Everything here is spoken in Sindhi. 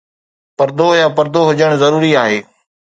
پردو يا پردو هجڻ ضروري آهي